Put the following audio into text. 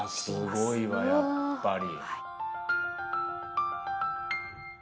うわすごいわやっぱり。